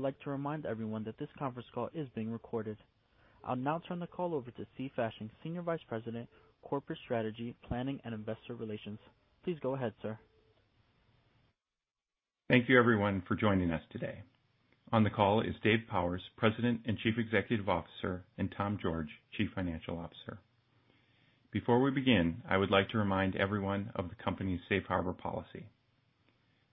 I would like to remind everyone that this conference call is being recorded. I'll now turn the call over to Steven Fasching, Senior Vice President, Corporate Strategy, Planning, and Investor Relations. Please go ahead, sir. Thank you everyone for joining us today. On the call is Dave Powers, President and Chief Executive Officer, and Tom George, Chief Financial Officer. Before we begin, I would like to remind everyone of the company's safe harbor policy.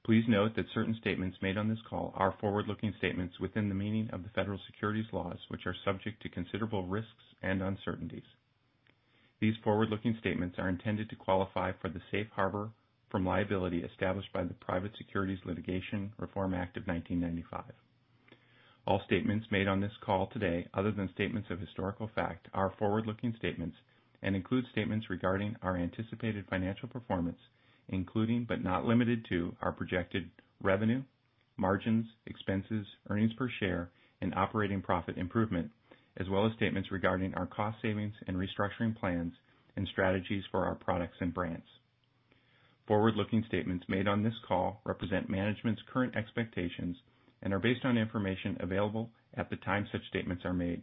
Please note that certain statements made on this call are forward-looking statements within the meaning of the federal securities laws, which are subject to considerable risks and uncertainties. These forward-looking statements are intended to qualify for the safe harbor from liability established by the Private Securities Litigation Reform Act of 1995. All statements made on this call today, other than statements of historical fact, are forward-looking statements and include statements regarding our anticipated financial performance, including, but not limited to our projected revenue, margins, expenses, earnings per share, and operating profit improvement, as well as statements regarding our cost savings and restructuring plans and strategies for our products and brands. Forward-looking statements made on this call represent management's current expectations and are based on information available at the time such statements are made.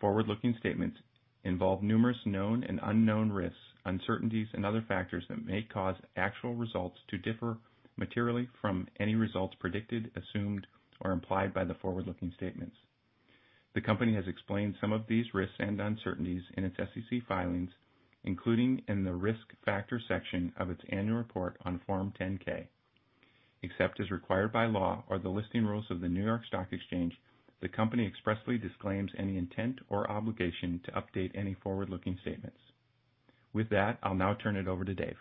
Forward-looking statements involve numerous known and unknown risks, uncertainties, and other factors that may cause actual results to differ materially from any results predicted, assumed, or implied by the forward-looking statements. The company has explained some of these risks and uncertainties in its SEC filings, including in the Risk Factors section of its annual report on Form 10-K. Except as required by law or the listing rules of the New York Stock Exchange, the company expressly disclaims any intent or obligation to update any forward-looking statements. With that, I'll now turn it over to Dave.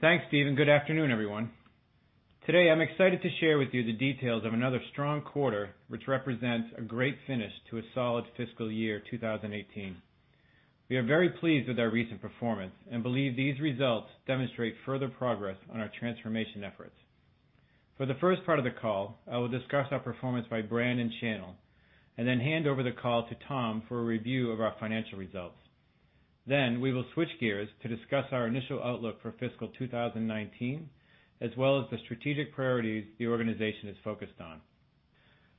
Thanks, Steve. Good afternoon, everyone. Today, I'm excited to share with you the details of another strong quarter, which represents a great finish to a solid fiscal year 2018. We are very pleased with our recent performance and believe these results demonstrate further progress on our transformation efforts. For the first part of the call, I will discuss our performance by brand and channel and then hand over the call to Tom for a review of our financial results. We will switch gears to discuss our initial outlook for fiscal 2019, as well as the strategic priorities the organization is focused on.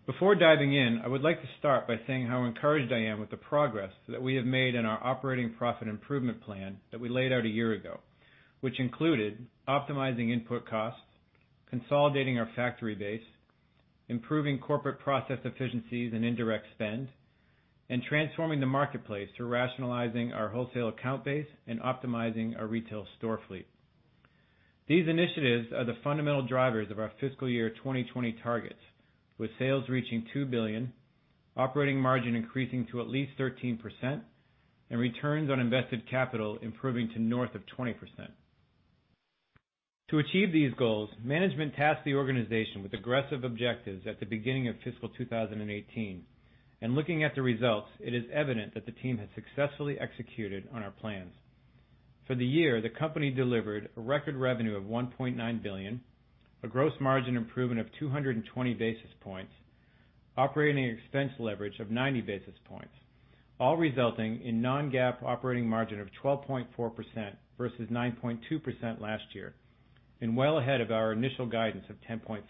Before diving in, I would like to start by saying how encouraged I am with the progress that we have made in our operating profit improvement plan that we laid out a year ago, which included optimizing input costs, consolidating our factory base, improving corporate process efficiencies and indirect spend, and transforming the marketplace through rationalizing our wholesale account base and optimizing our retail store fleet. These initiatives are the fundamental drivers of our fiscal year 2020 targets, with sales reaching $2 billion, operating margin increasing to at least 13%, and returns on invested capital improving to north of 20%. To achieve these goals, management tasked the organization with aggressive objectives at the beginning of fiscal 2018. Looking at the results, it is evident that the team has successfully executed on our plans. For the year, the company delivered a record revenue of $1.9 billion, a gross margin improvement of 220 basis points, operating expense leverage of 90 basis points, all resulting in non-GAAP operating margin of 12.4% versus 9.2% last year and well ahead of our initial guidance of 10.5%.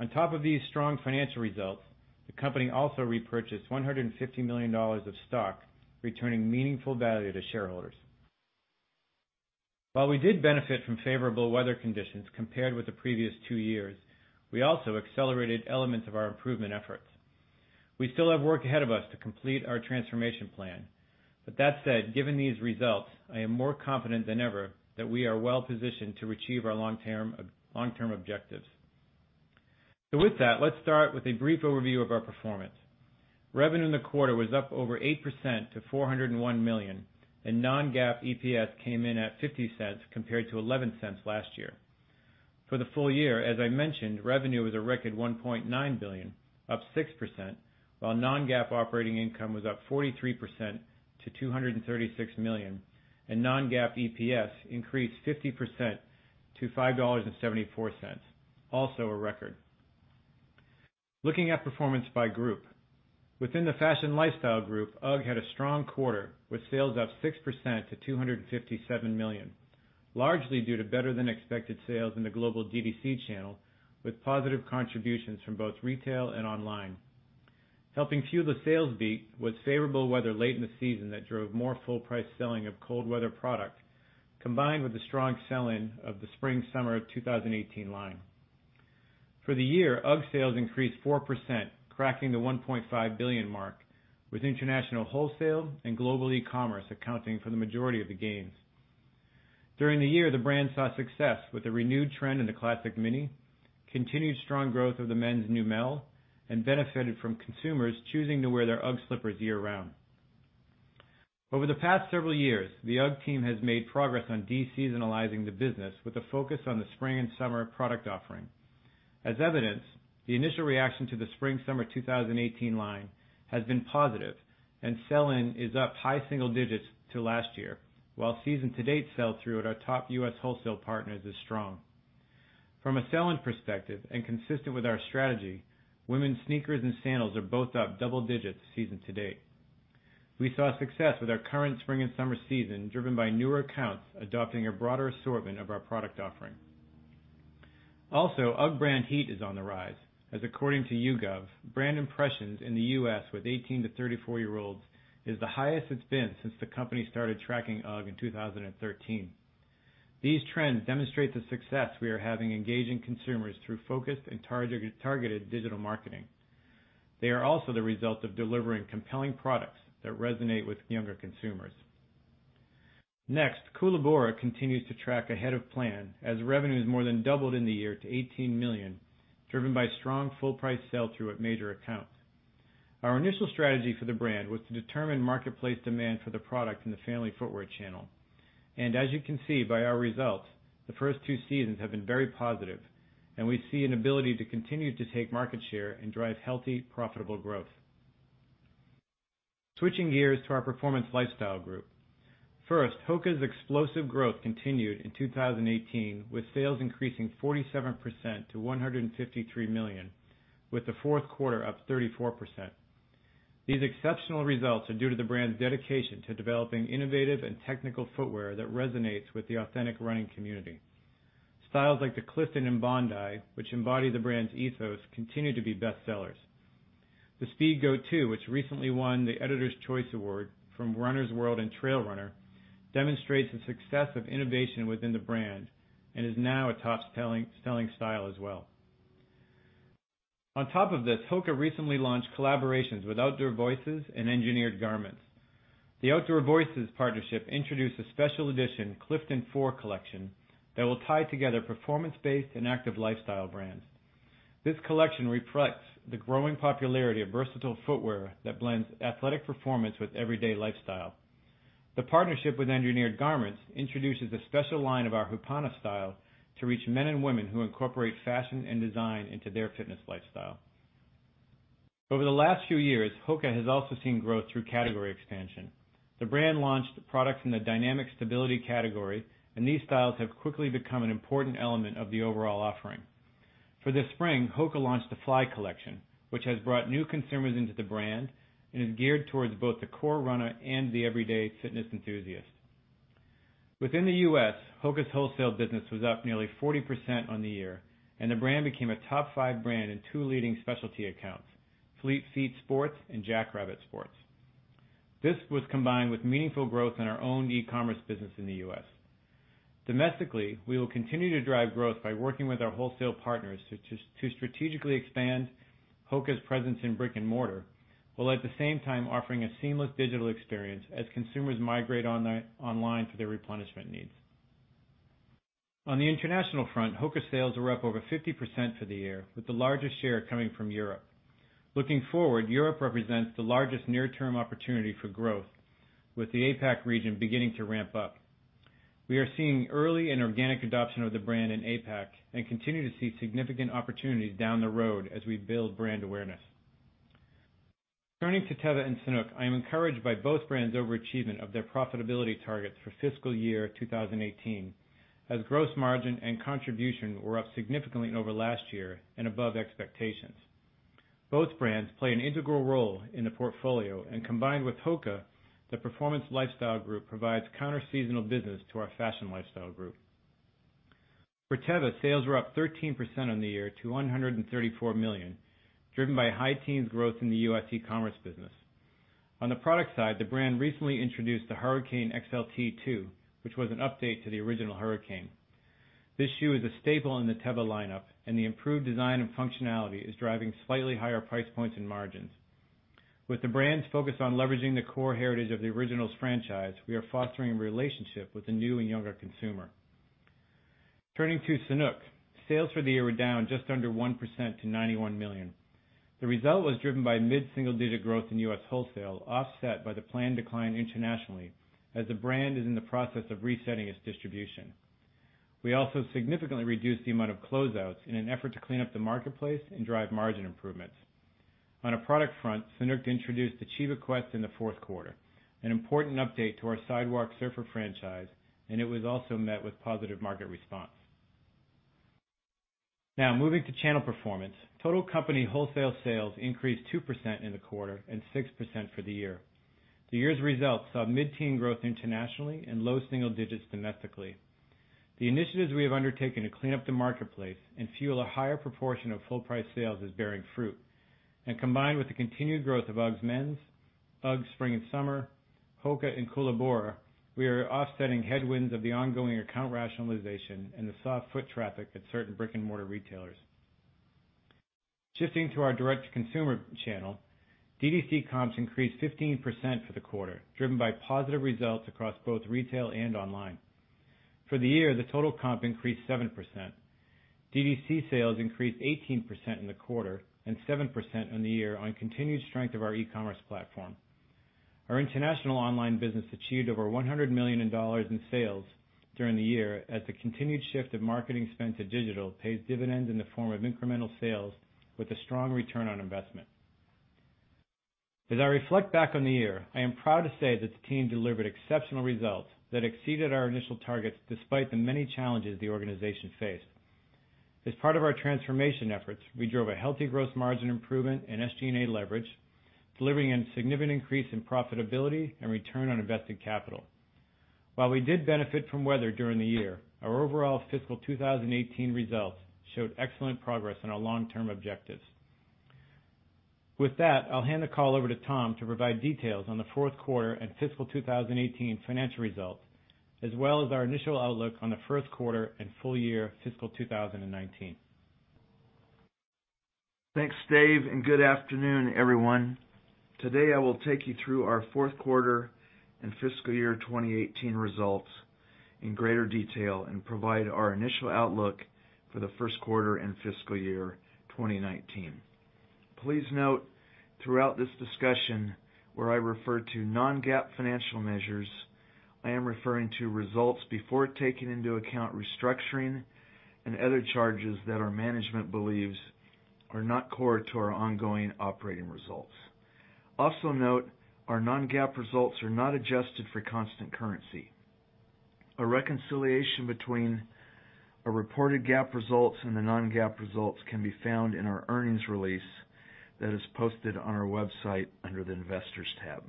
On top of these strong financial results, the company also repurchased $150 million of stock, returning meaningful value to shareholders. While we did benefit from favorable weather conditions compared with the previous two years, we also accelerated elements of our improvement efforts. We still have work ahead of us to complete our transformation plan. That said, given these results, I am more confident than ever that we are well-positioned to achieve our long-term objectives. With that, let's start with a brief overview of our performance. Revenue in the quarter was up over 8% to $401 million, and non-GAAP EPS came in at $0.50 compared to $0.11 last year. For the full year, as I mentioned, revenue was a record $1.9 billion, up 6%, while non-GAAP operating income was up 43% to $236 million, and non-GAAP EPS increased 50% to $5.74, also a record. Looking at performance by group. Within the Fashion Lifestyle group, UGG had a strong quarter with sales up 6% to $257 million. Largely due to better than expected sales in the global D2C channel, with positive contributions from both retail and online. Helping fuel the sales beat was favorable weather late in the season that drove more full price selling of cold weather product, combined with the strong sell-in of the spring/summer 2018 line. For the year, UGG sales increased 4%, cracking the $1.5 billion mark, with international wholesale and global e-commerce accounting for the majority of the gains. During the year, the brand saw success with the renewed trend in the classic mini, continued strong growth of the men's Neumel, and benefited from consumers choosing to wear their UGG slippers year-round. Over the past several years, the UGG team has made progress on de-seasonalizing the business with a focus on the spring and summer product offering. As evidenced, the initial reaction to the spring/summer 2018 line has been positive and sell-in is up high single digits to last year, while season to date sell-through at our top U.S. wholesale partners is strong. From a sell-in perspective, and consistent with our strategy, women's sneakers and sandals are both up double digits season to date. We saw success with our current spring and summer season driven by newer accounts adopting a broader assortment of our product offering. Also, UGG brand heat is on the rise as according to YouGov, brand impressions in the U.S. with 18 to 34-year-olds is the highest it's been since the company started tracking UGG in 2013. These trends demonstrate the success we are having engaging consumers through focused and targeted digital marketing. They are also the result of delivering compelling products that resonate with younger consumers. Next, Koolaburra continues to track ahead of plan as revenues more than doubled in the year to $18 million, driven by strong full price sell-through at major accounts. Our initial strategy for the brand was to determine marketplace demand for the product in the family footwear channel. As you can see by our results, the first two seasons have been very positive, and we see an ability to continue to take market share and drive healthy, profitable growth. Switching gears to our Performance Lifestyle. First, HOKA's explosive growth continued in 2018, with sales increasing 47% to $153 million, with the fourth quarter up 34%. These exceptional results are due to the brand's dedication to developing innovative and technical footwear that resonates with the authentic running community. Styles like the Clifton and Bondi, which embody the brand's ethos, continue to be bestsellers. The Speedgoat 2, which recently won the Editor's Choice Award from Runner's World and Trail Runner, demonstrates the success of innovation within the brand and is now a top five selling style as well. On top of this, HOKA recently launched collaborations with Outdoor Voices and Engineered Garments. The Outdoor Voices partnership introduced a special edition Clifton 4 collection that will tie together performance-based and active lifestyle brands. This collection reflects the growing popularity of versatile footwear that blends athletic performance with everyday lifestyle. The partnership with Engineered Garments introduces a special line of our Hupana style to reach men and women who incorporate fashion and design into their fitness lifestyle. Over the last few years, HOKA has also seen growth through category expansion. The brand launched products in the dynamic stability category, and these styles have quickly become an important element of the overall offering. For this spring, HOKA launched the Fly collection, which has brought new consumers into the brand and is geared towards both the core runner and the everyday fitness enthusiast. Within the U.S., HOKA's wholesale business was up nearly 40% on the year, and the brand became a top five brand in two leading specialty accounts, Fleet Feet and JackRabbit. This was combined with meaningful growth in our own e-commerce business in the U.S. Domestically, we will continue to drive growth by working with our wholesale partners to strategically expand HOKA's presence in brick and mortar, while at the same time offering a seamless digital experience as consumers migrate online for their replenishment needs. On the international front, HOKA sales were up over 50% for the year, with the largest share coming from Europe. Looking forward, Europe represents the largest near-term opportunity for growth, with the APAC region beginning to ramp up. We are seeing early and organic adoption of the brand in APAC and continue to see significant opportunities down the road as we build brand awareness. Turning to Teva and Sanuk, I am encouraged by both brands' overachievement of their profitability targets for fiscal year 2018, as gross margin and contribution were up significantly over last year and above expectations. Both brands play an integral role in the portfolio, and combined with HOKA, the Performance Lifestyle group provides counterseasonal business to our Fashion Lifestyle group. For Teva, sales were up 13% on the year to $134 million, driven by high teens growth in the U.S. e-commerce business. On the product side, the brand recently introduced the Hurricane XLT2, which was an update to the original Hurricane. This shoe is a staple in the Teva lineup, and the improved design and functionality is driving slightly higher price points and margins. With the brand's focus on leveraging the core heritage of the Originals franchise, we are fostering a relationship with the new and younger consumer. Turning to Sanuk, sales for the year were down just under 1% to $91 million. The result was driven by mid-single-digit growth in U.S. wholesale, offset by the planned decline internationally as the brand is in the process of resetting its distribution. We also significantly reduced the amount of closeouts in an effort to clean up the marketplace and drive margin improvements. On a product front, Sanuk introduced the Chiba Quest in the fourth quarter, an important update to our Sidewalk Surfer franchise, and it was also met with positive market response. Moving to channel performance. Total company wholesale sales increased 2% in the quarter and 6% for the year. The year's results saw mid-teen growth internationally and low single digits domestically. The initiatives we have undertaken to clean up the marketplace and fuel a higher proportion of full price sales is bearing fruit. Combined with the continued growth of UGG's men's, UGG spring and summer, HOKA, and Koolaburra, we are offsetting headwinds of the ongoing account rationalization and the soft foot traffic at certain brick-and-mortar retailers. Shifting to our direct-to-consumer channel, D2C comps increased 15% for the quarter, driven by positive results across both retail and online. For the year, the total comp increased 7%. D2C sales increased 18% in the quarter and 7% on the year on continued strength of our e-commerce platform. Our international online business achieved over $100 million in sales during the year as the continued shift of marketing spend to digital pays dividends in the form of incremental sales with a strong return on investment. As I reflect back on the year, I am proud to say that the team delivered exceptional results that exceeded our initial targets despite the many challenges the organization faced. As part of our transformation efforts, we drove a healthy growth margin improvement and SG&A leverage, delivering a significant increase in profitability and return on invested capital. While we did benefit from weather during the year, our overall fiscal 2018 results showed excellent progress on our long-term objectives. With that, I'll hand the call over to Tom to provide details on the fourth quarter and fiscal 2018 financial results, as well as our initial outlook on the first quarter and full year fiscal 2019. Thanks, Dave, and good afternoon, everyone. Today, I will take you through our fourth quarter and fiscal year 2018 results in greater detail and provide our initial outlook for the first quarter and fiscal year 2019. Please note throughout this discussion, where I refer to non-GAAP financial measures, I am referring to results before taking into account restructuring and other charges that our management believes are not core to our ongoing operating results. Also note, our non-GAAP results are not adjusted for constant currency. A reconciliation between our reported GAAP results and the non-GAAP results can be found in our earnings release that is posted on our website under the Investors tab.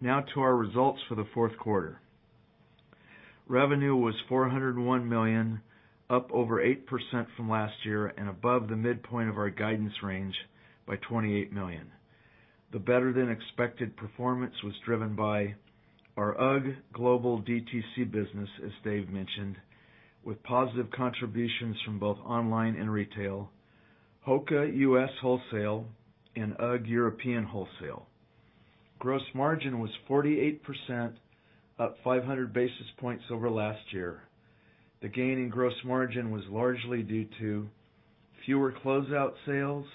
Now to our results for the fourth quarter. Revenue was $401 million, up over 8% from last year and above the midpoint of our guidance range by $28 million. The better-than-expected performance was driven by our UGG global DTC business, as Dave mentioned, with positive contributions from both online and retail, HOKA U.S. wholesale, and UGG European wholesale. Gross margin was 48%, up 500 basis points over last year. The gain in gross margin was largely due to fewer closeout sales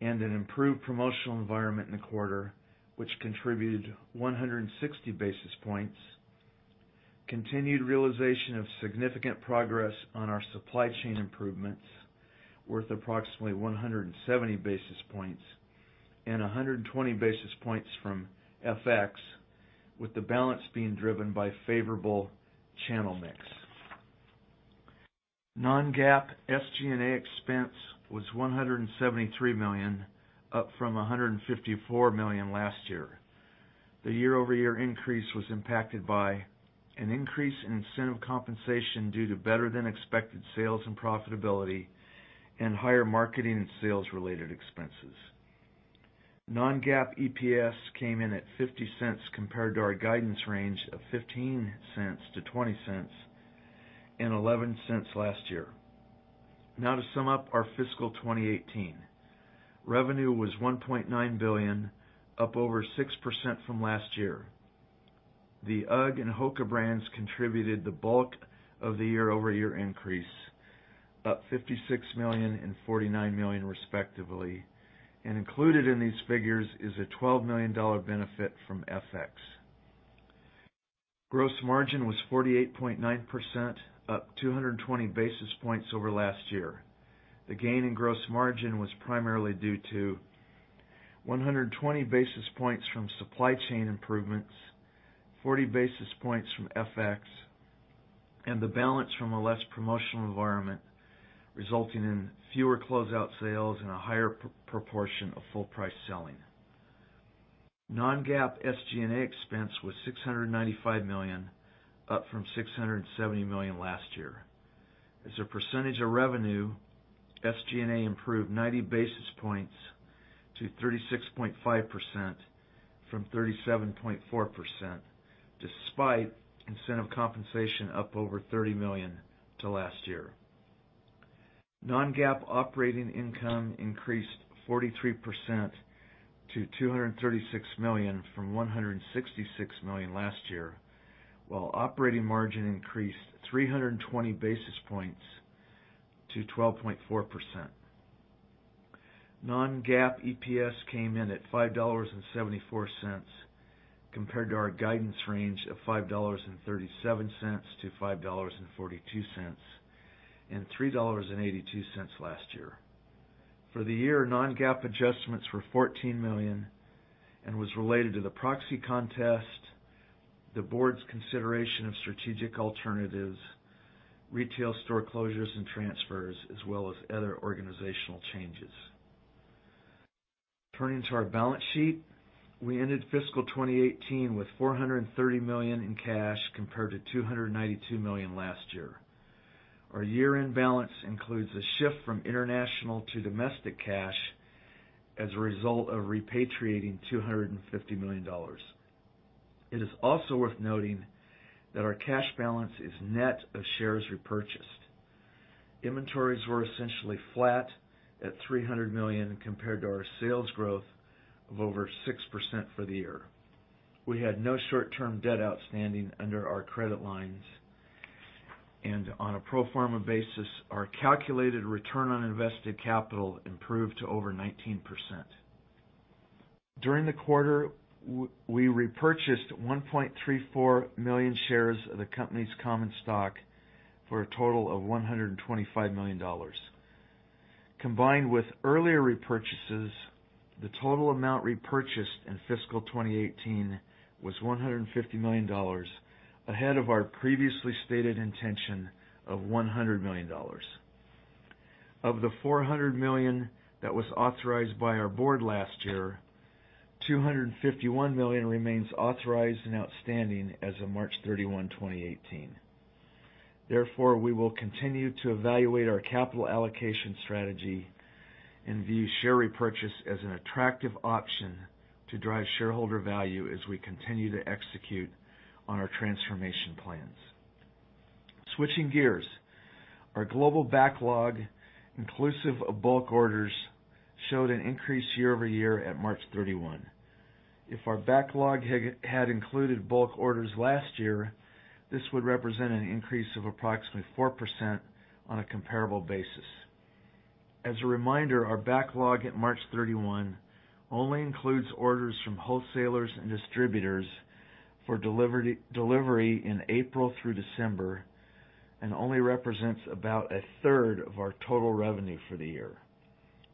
and an improved promotional environment in the quarter, which contributed 160 basis points, continued realization of significant progress on our supply chain improvements worth approximately 170 basis points and 120 basis points from FX, with the balance being driven by favorable channel mix. Non-GAAP SG&A expense was $173 million, up from $154 million last year. The year-over-year increase was impacted by an increase in incentive compensation due to better than expected sales and profitability and higher marketing and sales-related expenses. Non-GAAP EPS came in at $0.50 compared to our guidance range of $0.15 to $0.20 and $0.11 last year. Now to sum up our fiscal 2018. Revenue was $1.9 billion, up over 6% from last year. The UGG and HOKA brands contributed the bulk of the year-over-year increase, up $56 million and $49 million respectively, and included in these figures is a $12 million benefit from FX. Gross margin was 48.9%, up 220 basis points over last year. The gain in gross margin was primarily due to 120 basis points from supply chain improvements, 40 basis points from FX, and the balance from a less promotional environment, resulting in fewer closeout sales and a higher proportion of full price selling. Non-GAAP SG&A expense was $695 million, up from $670 million last year. As a percentage of revenue, SG&A improved 90 basis points to 36.5% from 37.4%, despite incentive compensation up over $30 million to last year. Non-GAAP operating income increased 43% to $236 million from $166 million last year, while operating margin increased 320 basis points to 12.4%. Non-GAAP EPS came in at $5.74, compared to our guidance range of $5.37 to $5.42 and $3.82 last year. For the year, non-GAAP adjustments were $14 million and was related to the proxy contest, the board's consideration of strategic alternatives, retail store closures and transfers, as well as other organizational changes. Turning to our balance sheet. We ended fiscal 2018 with $430 million in cash compared to $292 million last year. Our year-end balance includes a shift from international to domestic cash as a result of repatriating $250 million. It is also worth noting that our cash balance is net of shares repurchased. Inventories were essentially flat at $300 million compared to our sales growth of over 6% for the year. We had no short-term debt outstanding under our credit lines. On a pro forma basis, our calculated return on invested capital improved to over 19%. During the quarter, we repurchased 1.34 million shares of the company's common stock for a total of $125 million. Combined with earlier repurchases, the total amount repurchased in fiscal 2018 was $150 million, ahead of our previously stated intention of $100 million. Of the $400 million that was authorized by our board last year, $251 million remains authorized and outstanding as of March 31, 2018. We will continue to evaluate our capital allocation strategy and view share repurchase as an attractive option to drive shareholder value as we continue to execute on our transformation plans. Switching gears, our global backlog, inclusive of bulk orders, showed an increase year-over-year at March 31. If our backlog had included bulk orders last year, this would represent an increase of approximately 4% on a comparable basis. As a reminder, our backlog at March 31 only includes orders from wholesalers and distributors for delivery in April through December and only represents about a third of our total revenue for the year.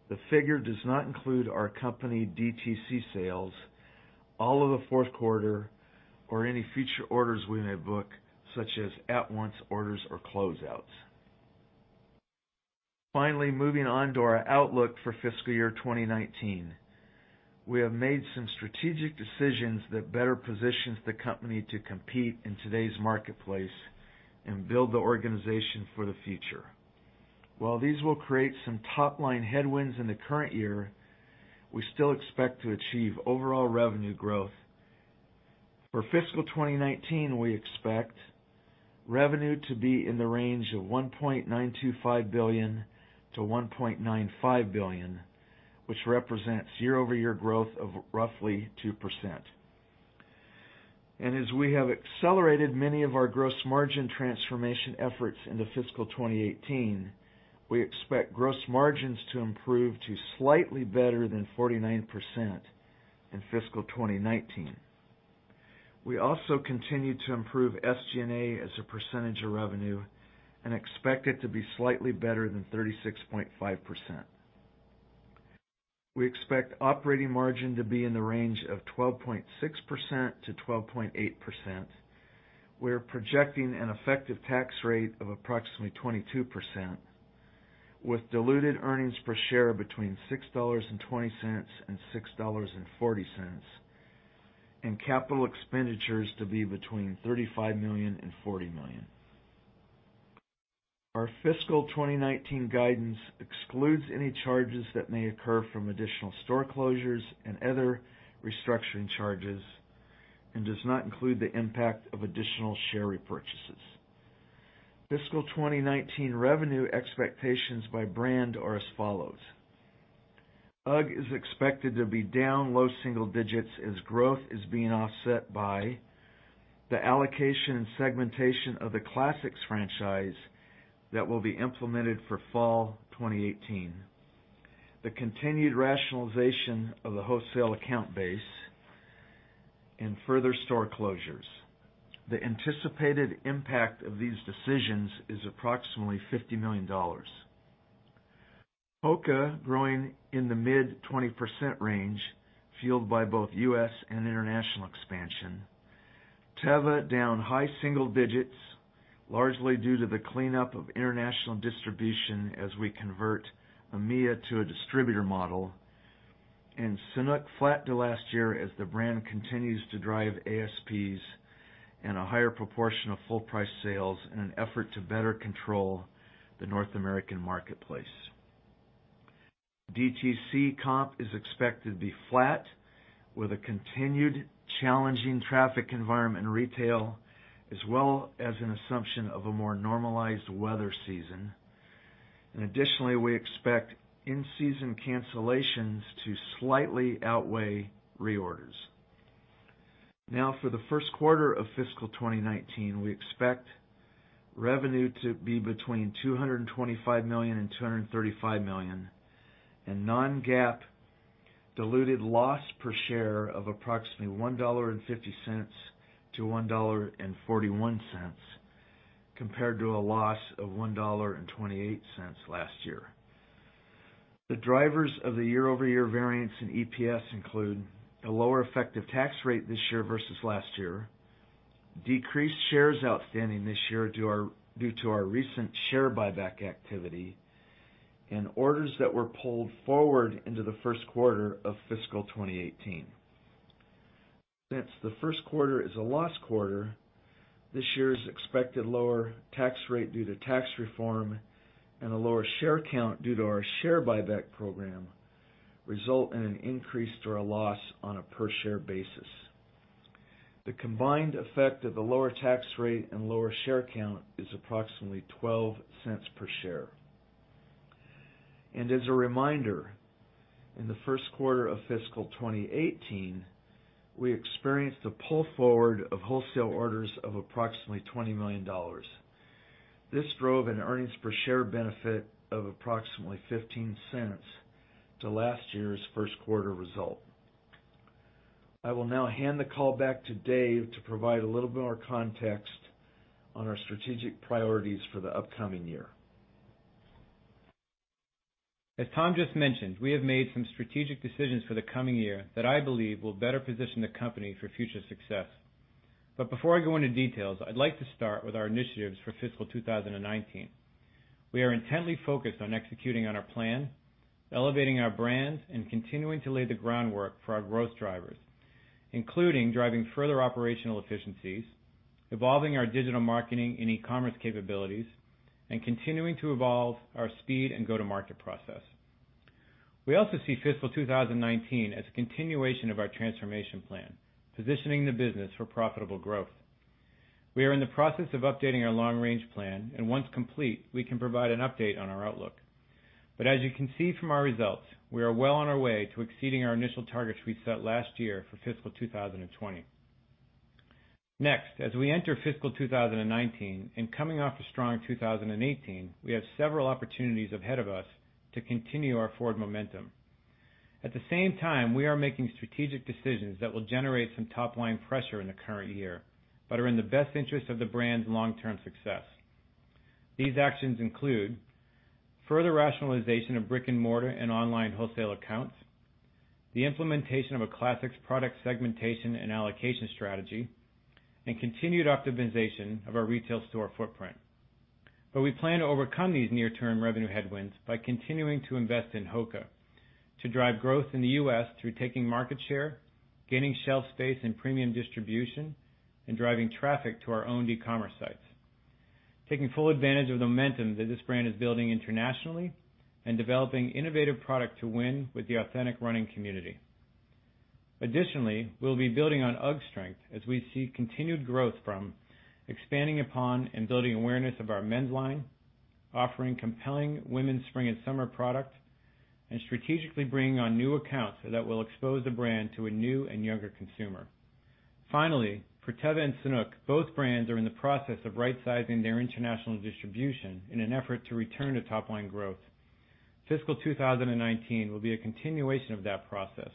The figure does not include our company DTC sales, all of the fourth quarter, or any future orders we may book, such as at-once orders or closeouts. Moving on to our outlook for fiscal year 2019. We have made some strategic decisions that better positions the company to compete in today's marketplace and build the organization for the future. While these will create some top-line headwinds in the current year, we still expect to achieve overall revenue growth. For fiscal 2019, we expect revenue to be in the range of $1.925 billion to $1.95 billion, which represents year-over-year growth of roughly 2%. As we have accelerated many of our gross margin transformation efforts into fiscal 2018, we expect gross margins to improve to slightly better than 49% in fiscal 2019. We also continue to improve SG&A as a percentage of revenue and expect it to be slightly better than 36.5%. We expect operating margin to be in the range of 12.6%-12.8%. We are projecting an effective tax rate of approximately 22%, with diluted earnings per share between $6.20 and $6.40, and capital expenditures to be between $35 million and $40 million. Our fiscal 2019 guidance excludes any charges that may occur from additional store closures and other restructuring charges and does not include the impact of additional share repurchases. Fiscal 2019 revenue expectations by brand are as follows. UGG is expected to be down low single digits as growth is being offset by the allocation and segmentation of the classics franchise that will be implemented for fall 2018, the continued rationalization of the wholesale account base, and further store closures. The anticipated impact of these decisions is approximately $50 million. HOKA growing in the mid-20% range, fueled by both U.S. and international expansion. Teva down high single digits, largely due to the cleanup of international distribution as we convert EMEA to a distributor model, and Sanuk flat to last year as the brand continues to drive ASPs and a higher proportion of full-price sales in an effort to better control the North American marketplace. DTC comp is expected to be flat with a continued challenging traffic environment in retail, as well as an assumption of a more normalized weather season. Additionally, we expect in-season cancellations to slightly outweigh reorders. For the first quarter of fiscal 2019, we expect revenue to be between $225 million and $235 million, and non-GAAP diluted loss per share of approximately $1.50-$1.41, compared to a loss of $1.28 last year. The drivers of the year-over-year variance in EPS include a lower effective tax rate this year versus last year, decreased shares outstanding this year due to our recent share buyback activity, and orders that were pulled forward into the first quarter of fiscal 2018. Since the first quarter is a loss quarter, this year's expected lower tax rate due to tax reform and a lower share count due to our share buyback program result in an increase to our loss on a per-share basis. The combined effect of the lower tax rate and lower share count is approximately $0.12 per share. As a reminder, in the first quarter of fiscal 2018, we experienced a pull forward of wholesale orders of approximately $20 million. This drove an earnings per share benefit of approximately $0.15 to last year's first quarter result. I will now hand the call back to Dave to provide a little bit more context on our strategic priorities for the upcoming year. As Tom just mentioned, we have made some strategic decisions for the coming year that I believe will better position the company for future success. Before I go into details, I'd like to start with our initiatives for fiscal 2019. We are intently focused on executing on our plan, elevating our brands, and continuing to lay the groundwork for our growth drivers, including driving further operational efficiencies, evolving our digital marketing and e-commerce capabilities, and continuing to evolve our speed and go-to-market process. We also see fiscal 2019 as a continuation of our transformation plan, positioning the business for profitable growth. We are in the process of updating our long-range plan, and once complete, we can provide an update on our outlook. As you can see from our results, we are well on our way to exceeding our initial targets we set last year for fiscal 2020. As we enter fiscal 2019 and coming off a strong 2018, we have several opportunities ahead of us to continue our forward momentum. At the same time, we are making strategic decisions that will generate some top-line pressure in the current year, but are in the best interest of the brand's long-term success. These actions include further rationalization of brick and mortar and online wholesale accounts, the implementation of a classics product segmentation and allocation strategy, and continued optimization of our retail store footprint. We plan to overcome these near-term revenue headwinds by continuing to invest in HOKA, to drive growth in the U.S. through taking market share, gaining shelf space and premium distribution, and driving traffic to our own e-commerce sites. Taking full advantage of the momentum that this brand is building internationally, and developing innovative product to win with the authentic running community. Additionally, we'll be building on UGG's strength as we see continued growth from expanding upon and building awareness of our men's line, offering compelling women's spring and summer product, and strategically bringing on new accounts that will expose the brand to a new and younger consumer. Finally, for Teva and Sanuk, both brands are in the process of rightsizing their international distribution in an effort to return to top-line growth. Fiscal 2019 will be a continuation of that process,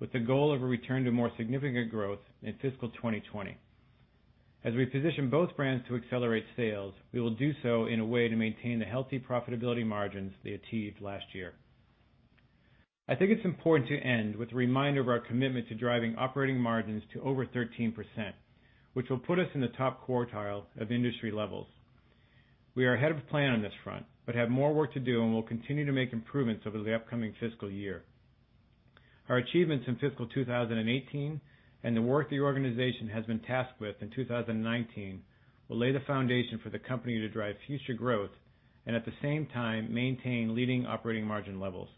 with the goal of a return to more significant growth in fiscal 2020. As we position both brands to accelerate sales, we will do so in a way to maintain the healthy profitability margins they achieved last year. I think it's important to end with a reminder of our commitment to driving operating margins to over 13%, which will put us in the top quartile of industry levels. We are ahead of plan on this front, but have more work to do and will continue to make improvements over the upcoming fiscal year. Our achievements in fiscal 2018 and the work the organization has been tasked with in 2019 will lay the foundation for the company to drive future growth and, at the same time, maintain leading operating margin levels.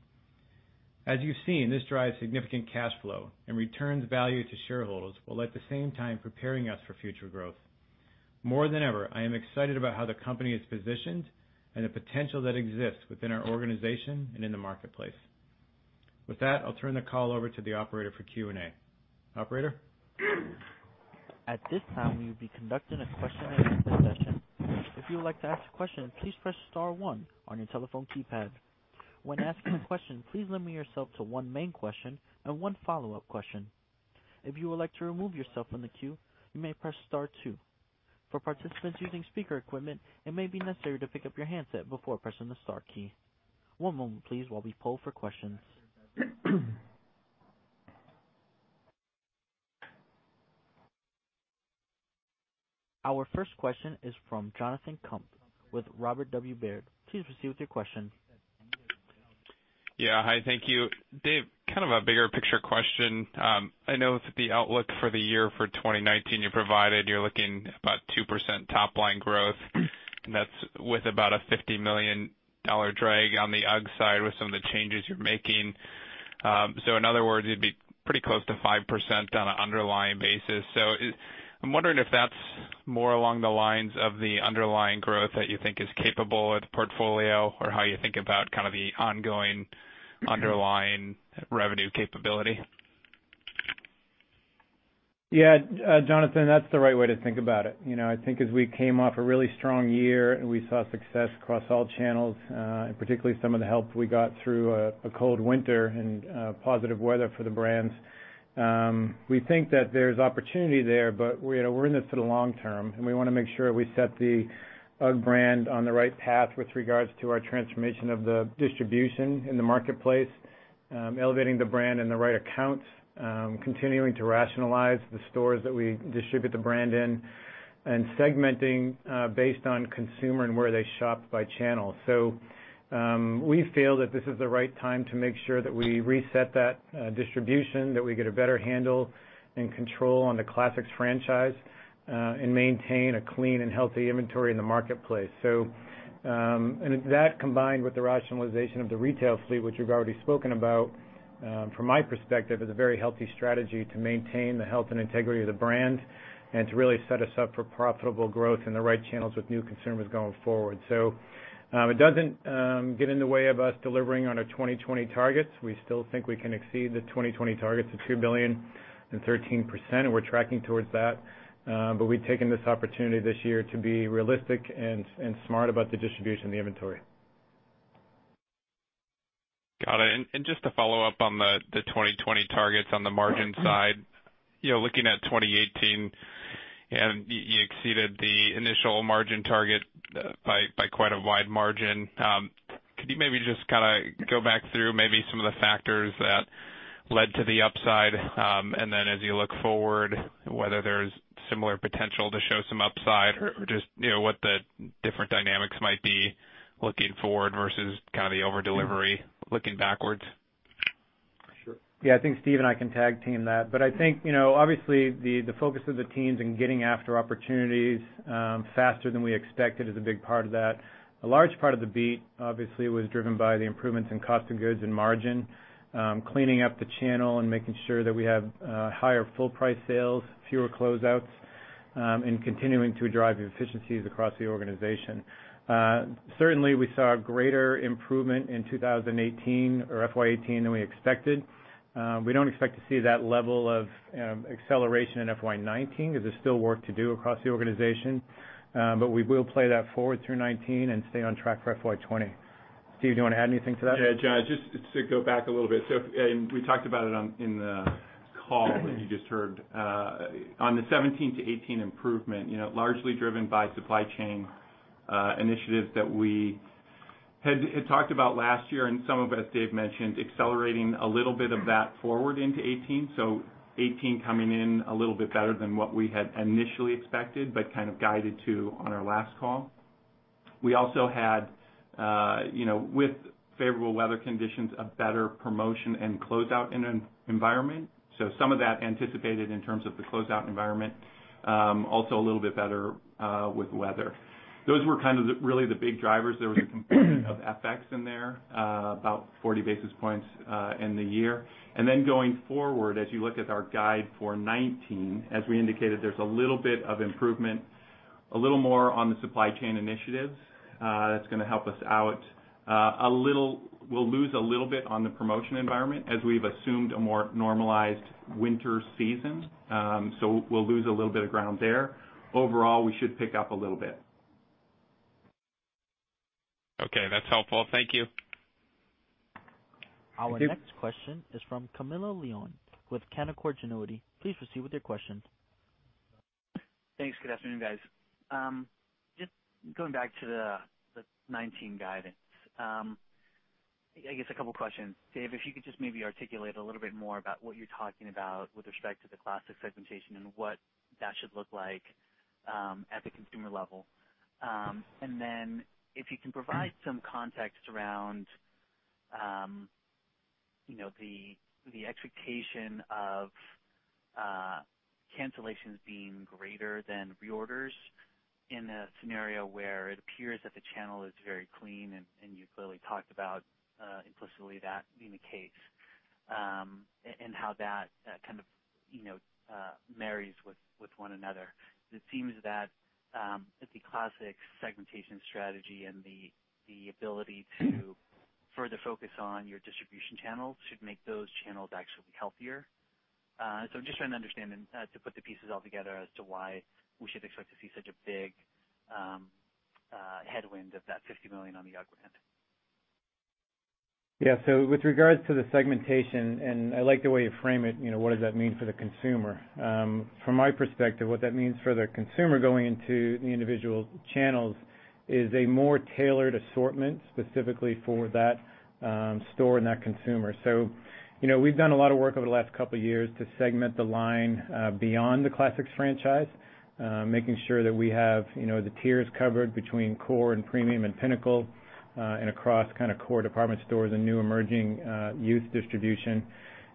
As you've seen, this drives significant cash flow and returns value to shareholders, while at the same time preparing us for future growth. More than ever, I am excited about how the company is positioned and the potential that exists within our organization and in the marketplace. With that, I'll turn the call over to the operator for Q&A. Operator? At this time, we will be conducting a question and answer session. If you would like to ask a question, please press star one on your telephone keypad. When asking a question, please limit yourself to one main question and one follow-up question. If you would like to remove yourself from the queue, you may press star two. For participants using speaker equipment, it may be necessary to pick up your handset before pressing the star key. One moment please while we poll for questions. Our first question is from Jonathan Komp with Robert W. Baird. Please proceed with your question. Yeah. Hi. Thank you. Dave, kind of a bigger picture question. I know that the outlook for the year for 2019 you provided, you're looking about 2% top-line growth, and that's with about a $50 million drag on the UGG side with some of the changes you're making. In other words, it'd be pretty close to 5% on an underlying basis. I'm wondering if that's more along the lines of the underlying growth that you think is capable with the portfolio, or how you think about the ongoing underlying revenue capability. Yeah, Jonathan, that's the right way to think about it. I think as we came off a really strong year and we saw success across all channels, and particularly some of the help we got through a cold winter and positive weather for the brands. We think that there's opportunity there, but we're in this for the long term, and we want to make sure we set the UGG brand on the right path with regards to our transformation of the distribution in the marketplace, elevating the brand in the right accounts, continuing to rationalize the stores that we distribute the brand in, and segmenting based on consumer and where they shop by channel. We feel that this is the right time to make sure that we reset that distribution, that we get a better handle and control on the classics franchise, and maintain a clean and healthy inventory in the marketplace. That, combined with the rationalization of the retail fleet, which we've already spoken about, from my perspective, is a very healthy strategy to maintain the health and integrity of the brand and to really set us up for profitable growth in the right channels with new consumers going forward. It doesn't get in the way of us delivering on our 2020 targets. We still think we can exceed the 2020 targets of $2 billion and 13%, and we're tracking towards that. We've taken this opportunity this year to be realistic and smart about the distribution of the inventory. Got it. Just to follow up on the 2020 targets on the margin side. Looking at 2018, and you exceeded the initial margin target by quite a wide margin. Could you maybe just go back through maybe some of the factors that led to the upside, and then as you look forward, whether there's similar potential to show some upside or just what the different dynamics might be looking forward versus the over-delivery looking backwards? Sure. Yeah, I think Steve and I can tag team that. I think, obviously, the focus of the teams in getting after opportunities faster than we expected is a big part of that. A large part of the beat, obviously, was driven by the improvements in cost of goods and margin, cleaning up the channel and making sure that we have higher full price sales, fewer closeouts, and continuing to drive efficiencies across the organization. Certainly, we saw a greater improvement in 2018 or FY 2018 than we expected. We don't expect to see that level of acceleration in FY 2019 because there's still work to do across the organization. We will play that forward through 2019 and stay on track for FY 2020. Steve, do you want to add anything to that? Yeah, Jonathan, just to go back a little bit. We talked about it in the call that you just heard. On the 2017 to 2018 improvement, largely driven by supply chain initiatives that we had talked about last year and some of, as Dave mentioned, accelerating a little bit of that forward into 2018. 2018 coming in a little bit better than what we had initially expected, but kind of guided to on our last call. We also had, with favorable weather conditions, a better promotion and closeout environment. Some of that anticipated in terms of the closeout environment, also a little bit better with weather. Those were really the big drivers. There was a component of FX in there, about 40 basis points in the year. Going forward, as you look at our guide for 2019, as we indicated, there's a little bit of improvement, a little more on the supply chain initiatives. That's going to help us out. We'll lose a little bit on the promotion environment as we've assumed a more normalized winter season. We'll lose a little bit of ground there. Overall, we should pick up a little bit. Okay, that's helpful. Thank you. Thank you. Our next question is from Camilo Lyon with Canaccord Genuity. Please proceed with your questions. Thanks. Good afternoon, guys. Just going back to the 2019 guidance. I guess a couple questions. Dave, if you could just maybe articulate a little bit more about what you're talking about with respect to the classic segmentation and what that should look like at the consumer level. If you can provide some context around the expectation of cancellations being greater than reorders in a scenario where it appears that the channel is very clean, and you clearly talked about implicitly that being the case, and how that kind of marries with one another. It seems that with the classic segmentation strategy and the ability to further focus on your distribution channels should make those channels actually healthier. I'm just trying to understand and to put the pieces all together as to why we should expect to see such a big headwind of that $50 million on the UGG brand. Yeah. With regards to the segmentation, and I like the way you frame it, what does that mean for the consumer? From my perspective, what that means for the consumer going into the individual channels is a more tailored assortment specifically for that store and that consumer. We've done a lot of work over the last couple of years to segment the line beyond the classics franchise, making sure that we have the tiers covered between core and premium and pinnacle, and across core department stores and new emerging youth distribution.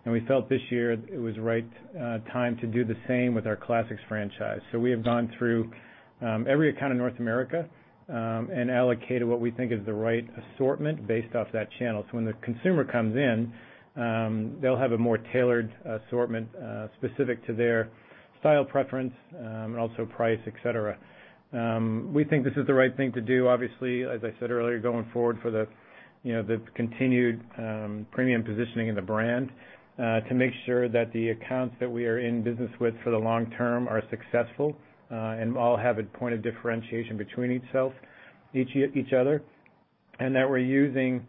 We felt this year it was the right time to do the same with our classics franchise. We have gone through every account in North America, and allocated what we think is the right assortment based off that channel. When the consumer comes in, they will have a more tailored assortment specific to their style preference, and also price, et cetera. We think this is the right thing to do, obviously, as I said earlier, going forward for the continued premium positioning of the brand, to make sure that the accounts that we are in business with for the long term are successful, and all have a point of differentiation between each other. That we are using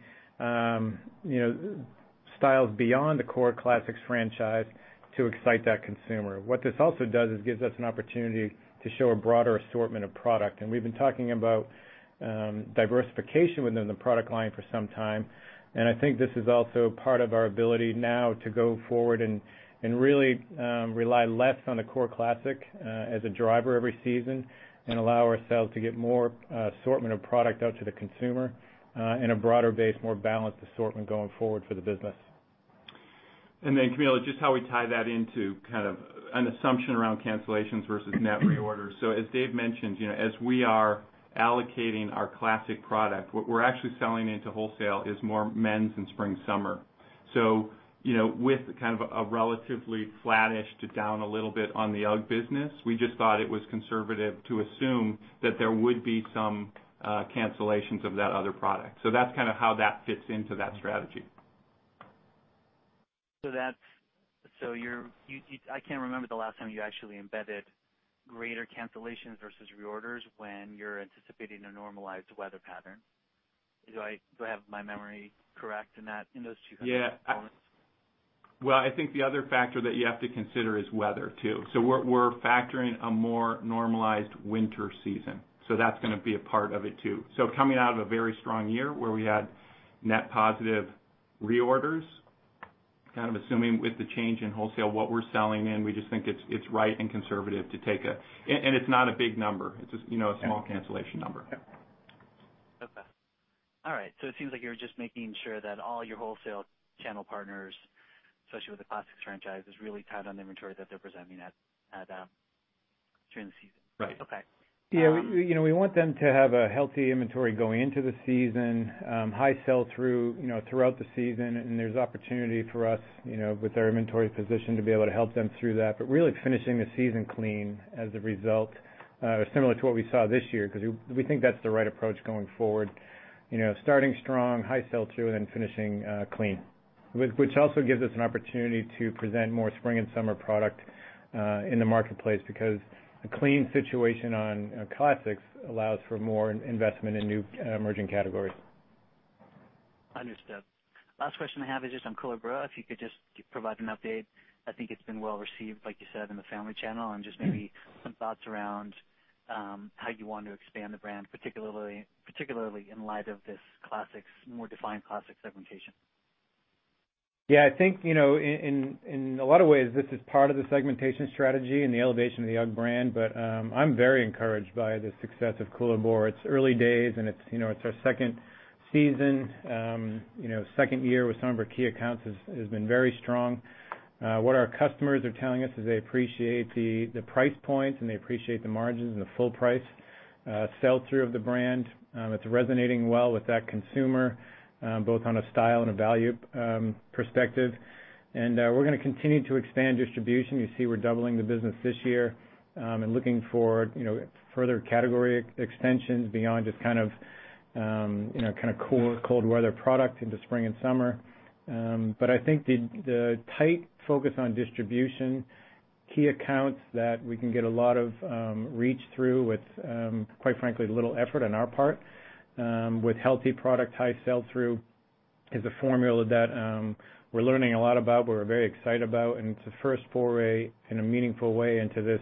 styles beyond the core Classics franchise to excite that consumer. What this also does is gives us an opportunity to show a broader assortment of product. We have been talking about diversification within the product line for some time. I think this is also part of our ability now to go forward and really rely less on a core Classic as a driver every season and allow ourselves to get more assortment of product out to the consumer in a broader base, more balanced assortment going forward for the business. Camilo, just how we tie that into kind of an assumption around cancellations versus net reorders. As Dave mentioned, as we are allocating our Classic product, what we are actually selling into wholesale is more men's and spring/summer. With kind of a relatively flattish to down a little bit on the UGG business, we just thought it was conservative to assume that there would be some cancellations of that other product. That is kind of how that fits into that strategy. I can't remember the last time you actually embedded greater cancellations versus reorders when you are anticipating a normalized weather pattern. Do I have my memory correct in those two kind of components? Well, I think the other factor that you have to consider is weather, too. We're factoring a more normalized winter season. That's going to be a part of it, too. Coming out of a very strong year where we had net positive reorders, kind of assuming with the change in wholesale, what we're selling in, we just think it's right and conservative to take a. It's not a big number. It's a small cancellation number. Okay. All right. It seems like you're just making sure that all your wholesale channel partners, especially with the Classics franchise, is really tight on the inventory that they're presenting during the season. Right. Okay. We want them to have a healthy inventory going into the season, high sell-through throughout the season. There's opportunity for us with our inventory position to be able to help them through that. Really finishing the season clean as a result, similar to what we saw this year. We think that's the right approach going forward. Starting strong, high sell-through, then finishing clean. Also gives us an opportunity to present more spring and summer product in the marketplace because a clean situation on Classics allows for more investment in new emerging categories. Understood. Last question I have is just on Koolaburra, if you could just provide an update. I think it's been well-received, like you said, in the family channel, and just maybe some thoughts around how you want to expand the brand, particularly in light of this more defined Classic segmentation. I think, in a lot of ways, this is part of the segmentation strategy and the elevation of the UGG brand. I'm very encouraged by the success of Koolaburra. It's early days. It's our second season. Second year with some of our key accounts has been very strong. What our customers are telling us is they appreciate the price points, and they appreciate the margins and the full price sell-through of the brand. It's resonating well with that consumer, both on a style and a value perspective. We're going to continue to expand distribution. You see we're doubling the business this year, and looking for further category extensions beyond just kind of core cold weather product into spring and summer. I think the tight focus on distribution, key accounts that we can get a lot of reach through with quite frankly, little effort on our part, with healthy product, high sell-through, is a formula that we're learning a lot about, we're very excited about, and it's a first foray in a meaningful way into this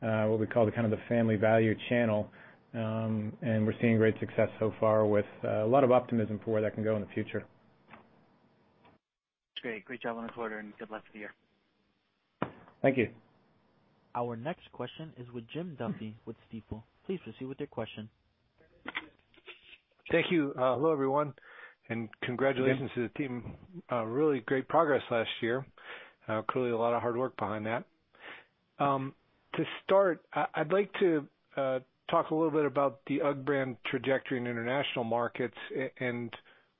what we call the kind of the family value channel. We're seeing great success so far with a lot of optimism for where that can go in the future. Great. Great job on this quarter, and good luck for the year. Thank you. Our next question is with Jim Duffy with Stifel. Please proceed with your question. Thank you. Hello, everyone, and congratulations to the team. Hey, Jim. Really great progress last year. Clearly a lot of hard work behind that. To start, I'd like to talk a little bit about the UGG brand trajectory in international markets and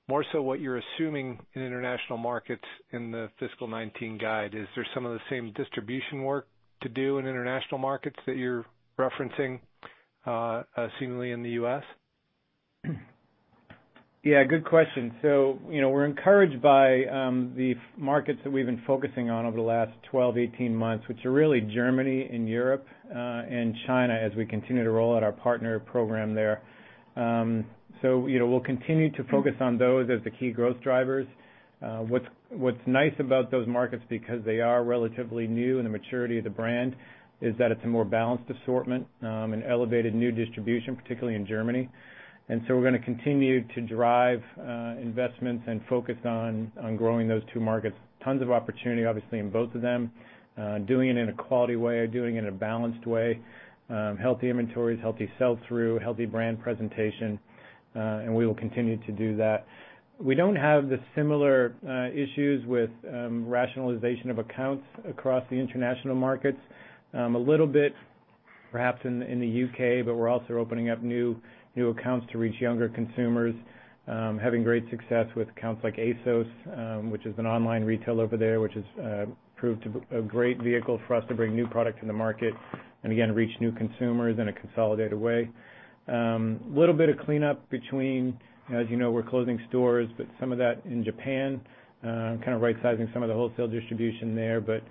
more so what you're assuming in international markets in the fiscal 2019 guide. Is there some of the same distribution work to do in international markets that you're referencing seemingly in the U.S.? Yeah, good question. We're encouraged by the markets that we've been focusing on over the last 12, 18 months, which are really Germany and Europe, and China as we continue to roll out our partner program there. We'll continue to focus on those as the key growth drivers. What's nice about those markets, because they are relatively new in the maturity of the brand, is that it's a more balanced assortment, an elevated new distribution, particularly in Germany. We're going to continue to drive investments and focus on growing those two markets. Tons of opportunity, obviously, in both of them. Doing it in a quality way, doing it in a balanced way. Healthy inventories, healthy sell-through, healthy brand presentation, and we will continue to do that. We don't have the similar issues with rationalization of accounts across the international markets. A little bit perhaps in the U.K., we're also opening up new accounts to reach younger consumers. Having great success with accounts like ASOS, which is an online retailer over there, which has proved to be a great vehicle for us to bring new product to the market, and again, reach new consumers in a consolidated way. Little bit of cleanup between, as you know, we're closing stores, but some of that in Japan, kind of right-sizing some of the wholesale distribution there, but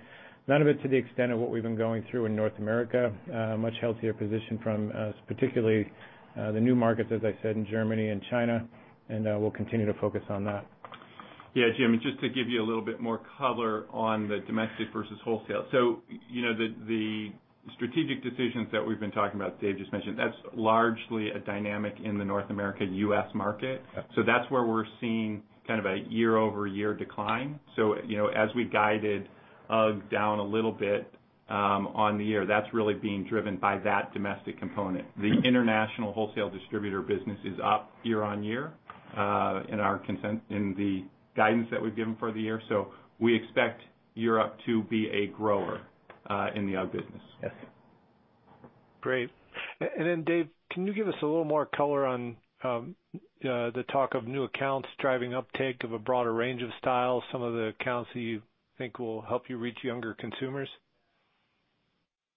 none of it to the extent of what we've been going through in North America. A much healthier position from particularly the new markets, as I said, in Germany and China, we'll continue to focus on that. Yeah, Jim, just to give you a little bit more color on the domestic versus wholesale. The strategic decisions that we've been talking about Dave just mentioned, that's largely a dynamic in the North America and U.S. market. Yep. That's where we're seeing kind of a year-over-year decline. As we guided UGG down a little bit on the year, that's really being driven by that domestic component. The international wholesale distributor business is up year on year in the guidance that we've given for the year. We expect Europe to be a grower in the UGG business. Yes. Great. Dave, can you give us a little more color on the talk of new accounts driving uptake of a broader range of styles, some of the accounts that you think will help you reach younger consumers?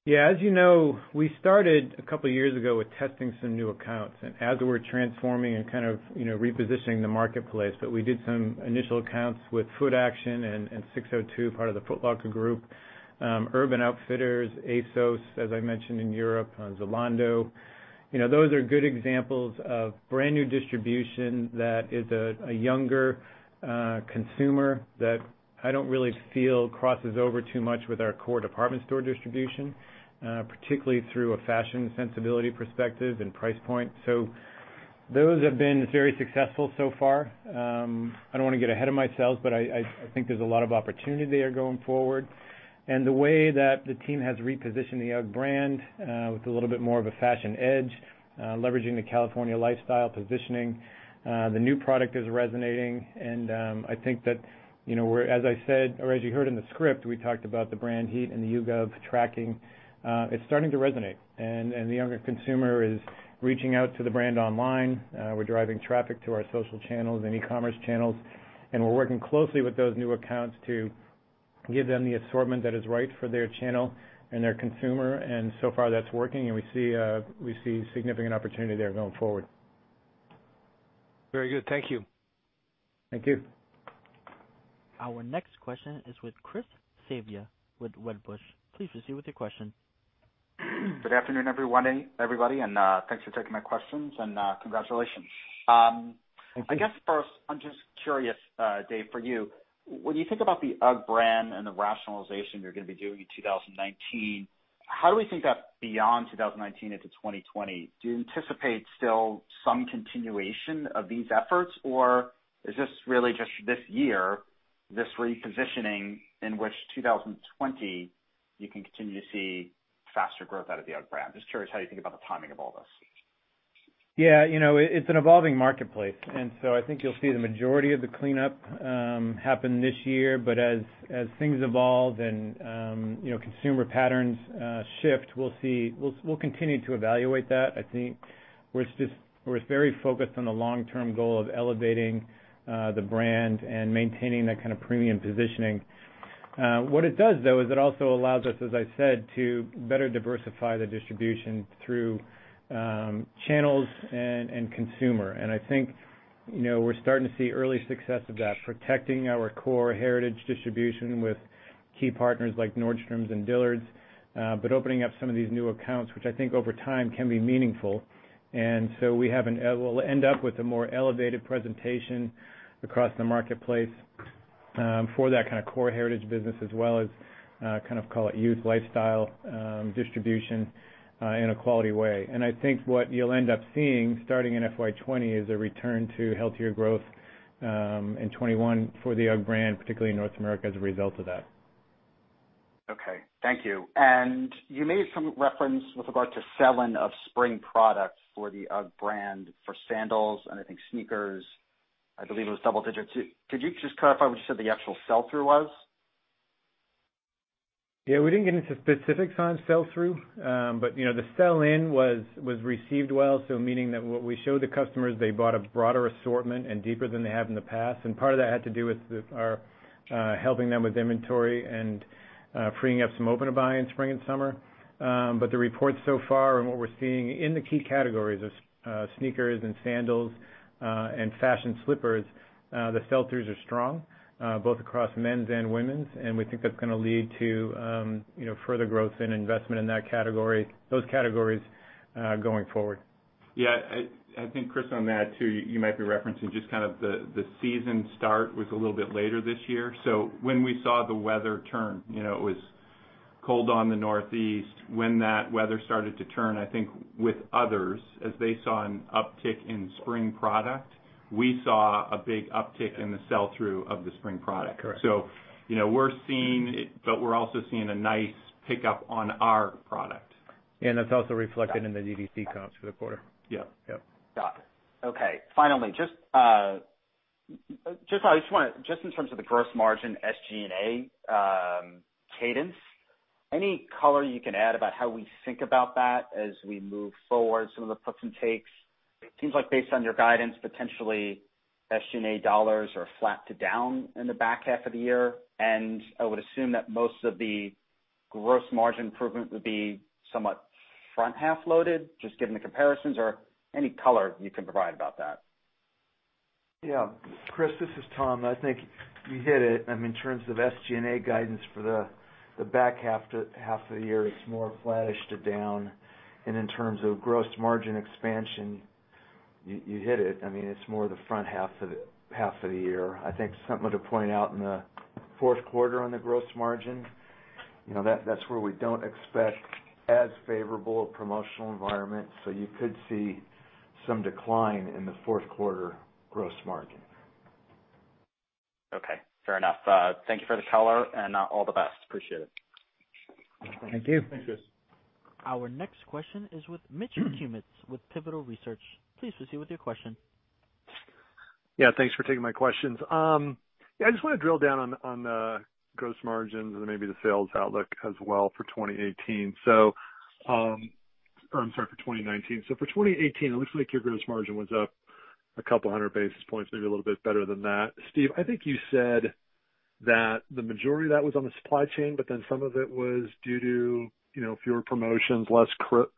Yeah. As you know, we started a couple of years ago with testing some new accounts, as we're transforming and kind of repositioning the marketplace, we did some initial accounts with Footaction and SIX:02, part of the Foot Locker Group, Urban Outfitters, ASOS, as I mentioned in Europe, and Zalando. Those are good examples of brand-new distribution that is a younger consumer that I don't really feel crosses over too much with our core department store distribution, particularly through a fashion sensibility perspective and price point. Those have been very successful so far. I don't want to get ahead of myself, but I think there's a lot of opportunity there going forward. The way that the team has repositioned the UGG brand with a little bit more of a fashion edge, leveraging the California lifestyle positioning. The new product is resonating, I think that as I said or as you heard in the script, we talked about the brand heat and the UGG tracking. It's starting to resonate, and the younger consumer is reaching out to the brand online. We're driving traffic to our social channels and e-commerce channels, and we're working closely with those new accounts to give them the assortment that is right for their channel and their consumer. So far that's working, and we see significant opportunity there going forward. Very good. Thank you. Thank you. Our next question is with Christopher Svezia with Wedbush. Please proceed with your question. Good afternoon, everybody. Thanks for taking my questions and congratulations. Thank you. I guess first, I'm just curious, Dave, for you. When you think about the UGG brand and the rationalization you're going to be doing in 2019, how do we think that's beyond 2019 into 2020? Do you anticipate still some continuation of these efforts, or is this really just this year, this repositioning in which 2020 you can continue to see faster growth out of the UGG brand? Just curious how you think about the timing of all this. Yeah. It's an evolving marketplace, I think you'll see the majority of the cleanup happen this year. As things evolve and consumer patterns shift, we'll continue to evaluate that. I think we're very focused on the long-term goal of elevating the brand and maintaining that kind of premium positioning. What it does, though, is it also allows us, as I said, to better diversify the distribution through channels and consumer. I think we're starting to see early success of that, protecting our core heritage distribution with key partners like Nordstrom and Dillard's. Opening up some of these new accounts, which I think over time, can be meaningful. We'll end up with a more elevated presentation across the marketplace for that kind of core heritage business, as well as kind of call it youth lifestyle distribution in a quality way. I think what you'll end up seeing, starting in FY 2020, is a return to healthier growth in 2021 for the UGG brand, particularly in North America, as a result of that. Okay. Thank you. You made some reference with regard to sell-in of spring products for the UGG brand for sandals and I think sneakers, I believe it was double digits. Could you just clarify what you said the actual sell-through was? Yeah. We didn't get into specifics on sell-through. The sell-in was received well, so meaning that what we showed the customers, they bought a broader assortment and deeper than they have in the past. Part of that had to do with our helping them with inventory and freeing up some open-to-buy in spring and summer. The reports so far and what we're seeing in the key categories of sneakers and sandals, and fashion slippers, the sell-throughs are strong, both across men's and women's, and we think that's going to lead to further growth and investment in those categories going forward. Yeah. I think, Chris, on that too, you might be referencing just kind of the season start was a little bit later this year. When we saw the weather turn, it was cold on the Northeast. When that weather started to turn, I think with others, as they saw an uptick in spring product, we saw a big uptick in the sell-through of the spring product. Correct. We're also seeing a nice pickup on our product. That's also reflected in the DTC comps for the quarter. Yeah. Yep. Got it. Okay. Finally, just in terms of the gross margin SG&A cadence, any color you can add about how we think about that as we move forward, some of the puts and takes? It seems like based on your guidance, potentially SG&A dollars are flat to down in the back half of the year. I would assume that most of the gross margin improvement would be somewhat front-half loaded, just given the comparisons or any color you can provide about that. Yeah. Chris, this is Tom. I think you hit it. In terms of SG&A guidance for the back half of the year, it's more flattish to down. In terms of gross margin expansion, you hit it. It's more the front half of the year. I think something to point out in the fourth quarter on the gross margin, that's where we don't expect as favorable a promotional environment. You could see some decline in the fourth quarter gross margin. Okay. Fair enough. Thank you for the color, all the best. Appreciate it. Thank you. Thanks, Chris. Our next question is with Mitch Kummetz with Pivotal Research. Please proceed with your question. Yeah, thanks for taking my questions. Yeah, I just want to drill down on the gross margins and maybe the sales outlook as well for 2018. I'm sorry, for 2019. For 2018, it looks like your gross margin was up a couple hundred basis points, maybe a little bit better than that. Steve, I think you said that the majority of that was on the supply chain, but then some of it was due to fewer promotions, less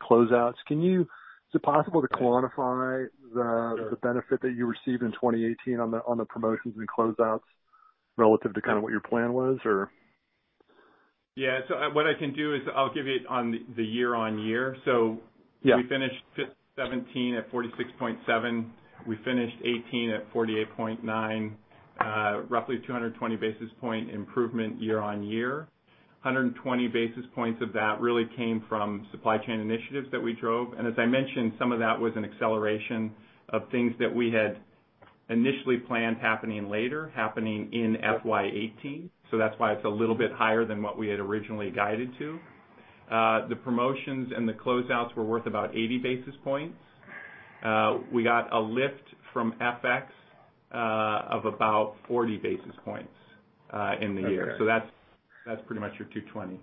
closeouts. Is it possible to quantify the benefit that you received in 2018 on the promotions and closeouts relative to kind of what your plan was, or? Yeah. What I can do is I'll give you the year-over-year. Yeah. We finished 2017 at 46.7%. We finished 2018 at 48.9%. Roughly 220 basis point improvement year-over-year. 120 basis points of that really came from supply chain initiatives that we drove. As I mentioned, some of that was an acceleration of things that we had initially planned happening later, happening in FY 2018. That's why it's a little bit higher than what we had originally guided to. The promotions and the closeouts were worth about 80 basis points. We got a lift from FX of about 40 basis points in the year. Okay. That's pretty much your 220.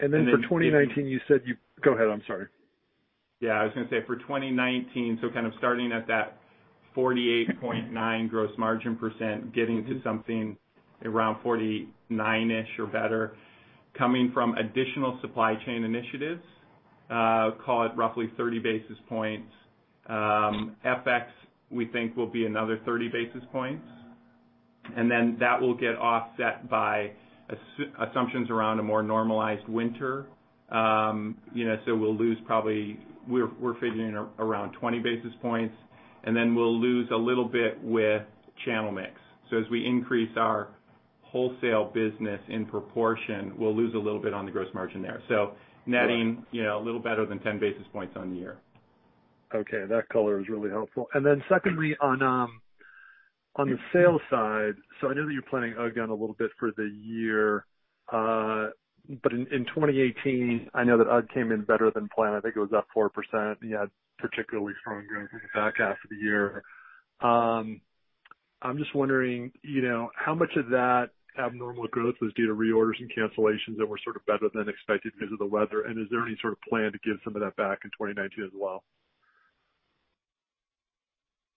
For 2019. Go ahead. I'm sorry. Yeah. I was going to say, for 2019, kind of starting at that 48.9% gross margin percent, getting to something around 49-ish or better. Coming from additional supply chain initiatives, call it roughly 30 basis points. FX, we think, will be another 30 basis points. That will get offset by assumptions around a more normalized winter. We'll lose probably, we're figuring, around 20 basis points, and then we'll lose a little bit with channel mix. As we increase our wholesale business in proportion, we'll lose a little bit on the gross margin there. Right a little better than 10 basis points on the year. Okay. That color is really helpful. Secondly, on the sales side, I know that you're planning UGG down a little bit for the year. In 2018, I know that UGG came in better than planned. I think it was up 4%, you had particularly strong growth in the back half of the year. I'm just wondering how much of that abnormal growth was due to reorders and cancellations that were sort of better than expected because of the weather, is there any sort of plan to give some of that back in 2019 as well?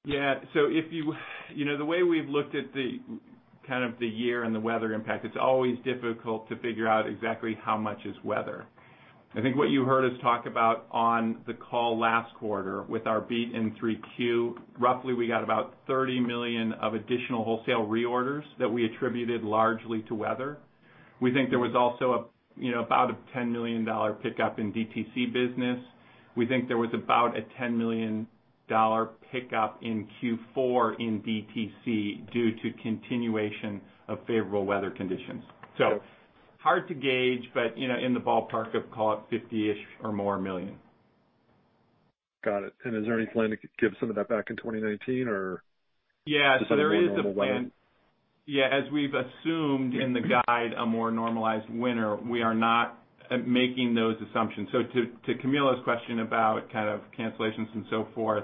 Yeah. The way we've looked at the year and the weather impact, it's always difficult to figure out exactly how much is weather. I think what you heard us talk about on the call last quarter with our beat in Q3, roughly we got about $30 million of additional wholesale reorders that we attributed largely to weather. We think there was also about a $10 million pickup in DTC business. We think there was about a $10 million pickup in Q4 in DTC due to continuation of favorable weather conditions. Hard to gauge, but in the ballpark of, call it, $50-ish or more million. Got it. Is there any plan to give some of that back in 2019? Yeah. There is a plan just under more normal weather? Yeah, as we've assumed in the guide, a more normalized winter, we are not making those assumptions. To Camilo's question about kind of cancellations and so forth,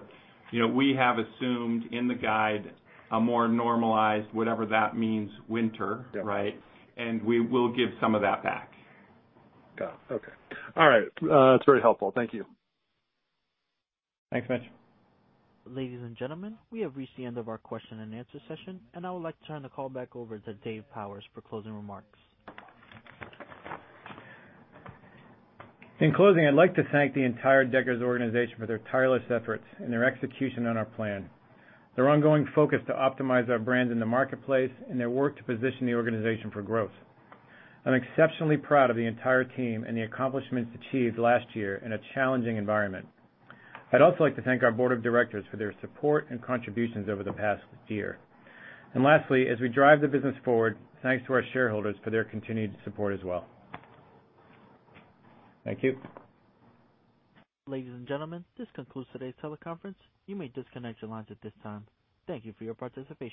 we have assumed in the guide a more normalized, whatever that means, winter, right? Yeah. We will give some of that back. Got it. Okay. All right. That's very helpful. Thank you. Thanks, Mitch. Ladies and gentlemen, we have reached the end of our question and answer session, and I would like to turn the call back over to Dave Powers for closing remarks. In closing, I'd like to thank the entire Deckers organization for their tireless efforts and their execution on our plan, their ongoing focus to optimize our brand in the marketplace, and their work to position the organization for growth. I'm exceptionally proud of the entire team and the accomplishments achieved last year in a challenging environment. I'd also like to thank our board of directors for their support and contributions over the past year. Lastly, as we drive the business forward, thanks to our shareholders for their continued support as well. Thank you. Ladies and gentlemen, this concludes today's teleconference. You may disconnect your lines at this time. Thank you for your participation.